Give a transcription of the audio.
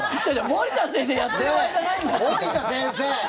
森田先生！